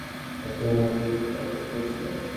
আসুন, আমি আপনাকেই কল করতে যাচ্ছিলাম।